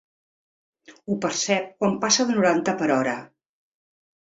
Ho percep quan passa de noranta per hora.